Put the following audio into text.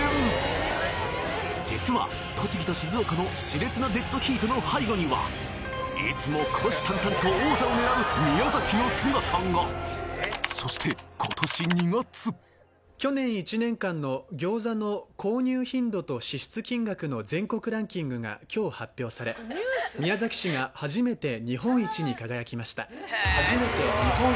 実は栃木と静岡の熾烈なデッドヒートの背後にはいつも虎視眈々と王座を狙う宮崎の姿がそして今年２月去年１年間の餃子の購入頻度と支出金額の全国ランキングが今日発表され宮崎市が初めて日本一に輝きました。